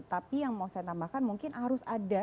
tapi yang mau saya tambahkan mungkin harus ada